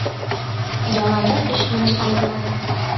Яланда эш менән алдыра.